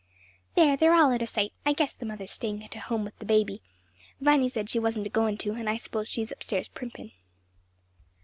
"There they're all out o' sight. I guess the mother's stayin' to home with the baby; Viny said she wasn't agoin' to, and I s'pose she's up stairs primpin'."